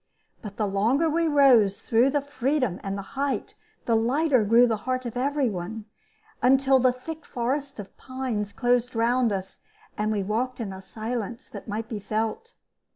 But the longer we rose through the freedom and the height, the lighter grew the heart of every one, until the thick forest of pines closed round us, and we walked in a silence that might be felt.